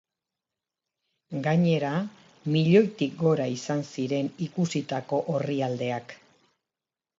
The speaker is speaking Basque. Gainera, milioitik gora izan ziren ikusitako orrialdeak.